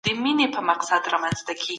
ناوړه ارادې نه منل کېږي.